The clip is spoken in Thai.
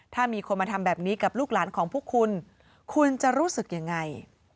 ถ้ามีคนมาทำแบบนี้กับลูกหลานของพวกคุณคุณจะรู้สึกยังไง